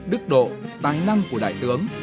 đức độ tài năng của đại tướng